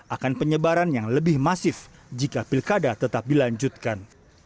akan penyebaran yang lebih masif jika pilkada tetap dilanjutkan